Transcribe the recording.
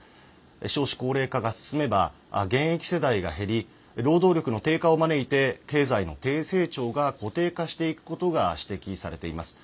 少子高齢化が進めば現役世代が減り労働力の低下を招いて、経済の低成長が固定化していくことが指摘されています。